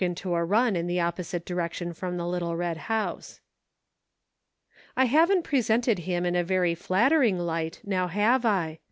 into a run in the opposite direction from the little red house. I haven't presented him in a very flattering light, now, have I